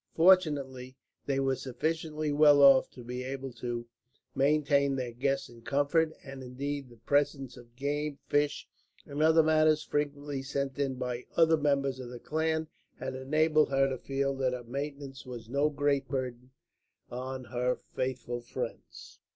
Fortunately, they were sufficiently well off to be able to maintain their guests in comfort; and indeed the presents of game, fish, and other matters, frequently sent in by other members of the clan, had enabled her to feel that her maintenance was no great burden on her faithful friends.